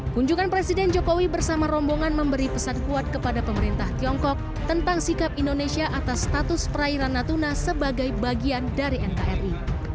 kunjungan presiden jokowi bersama rombongan memberi pesan kuat kepada pemerintah tiongkok tentang sikap indonesia atas status perairan natuna sebagai bagian dari nkri